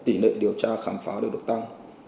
tỉ nệ điều tra khám phá đã được tăng